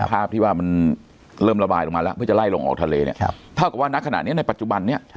ภาพที่ว่ามันเริ่มระบายลงมาแล้วเพื่อจะไล่ลงออกทะเลเนี่ยเท่ากับว่าณขณะนี้ในปัจจุบันนี้